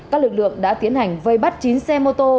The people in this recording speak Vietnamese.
các lực lượng đã tiến hành vây bắt chín xe mô tô